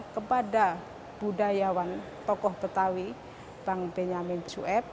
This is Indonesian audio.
kepada budayawan tokoh betawi bang benjamin sueb